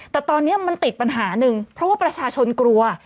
แต่ตอนนี้มันติดปัญหาหนึ่งเพราะว่าประชาชนกลัว